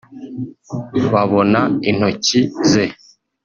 babona intoki ze